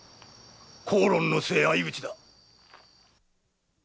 口論の末相討ちだ。